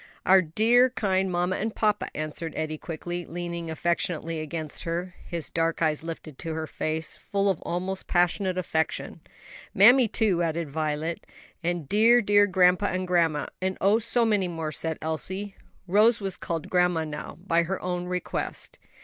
"Our dear, kind mamma and papa," answered Eddie quickly, leaning affectionately against her, his dark eyes lifted to her face, full of almost passionate affection. "Mammy too," added Violet. "And dear, dear grandpa and grandma; and oh, so many more," said Elsie. Rose was called grandma now, by her own request.